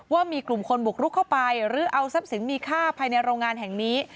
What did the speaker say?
ว่ามีกลุ่มคนบุกรุกเข้าไปหรือเอาทรัพย์สินมีค่าภายในโรงงานแห่งนี้